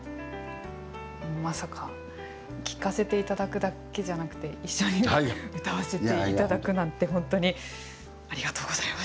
まさか、聞かせていただくだけじゃなくて一緒に歌わせていただくなんて本当にありがとうございました。